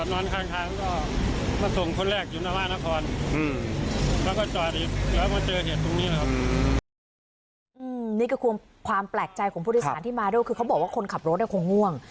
นี่ก็ความแปลกใจของพฤษษาที่มาด้วยคือเขาบอกว่าควรขับรถคงง่วง